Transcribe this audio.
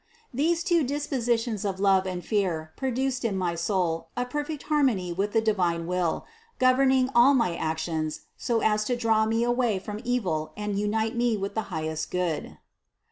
These two dispositions of love and fear produced in my soul a perfect harmony with the divine will, gov erning all my actions, so as to draw me away from evil and unite me with the highest Good.